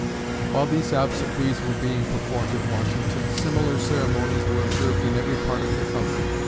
While these obsequies were being performed at Washington, similar ceremonies were observed in every part of the country.